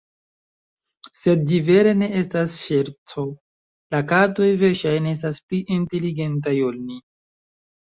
Sed ĝi vere ne estas ŝerco, la katoj versaĵne estas pli inteligentaj ol ni.